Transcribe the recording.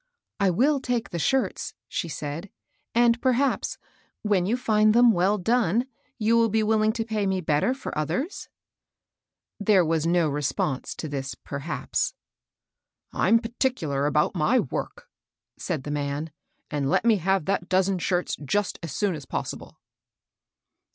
^^I will take the shirts,'' she said; ^^and peiv haps,^when you find them well done, you will be willing to pay me better for others ?" There was no response to this "perhaps." "I'm particular about my work," said the man ;" and let me have that dozen shirts just as soon as possible."